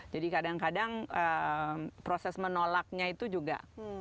jadi kadang kadang proses menolaknya itu juga